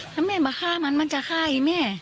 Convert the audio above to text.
ถ้าแม่มาฆ่ามันมันจะฆ่าไอ้แม่